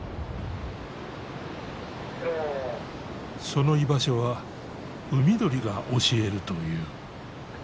その居場所はウミドリが教えるという。